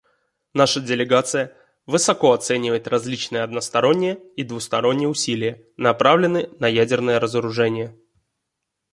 Наша делегация высоко оценивает различные односторонние и двусторонние усилия, направленные на ядерное разоружение.